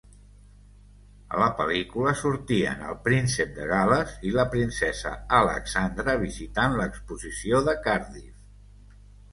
A la pel·lícula sortien el Príncep de Gales i la Princesa Alexandra visitant l"Exposició de Cardiff.